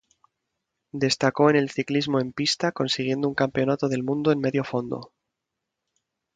Destacó en el ciclismo en pista consiguiendo un Campeonato del mundo en Medio Fondo.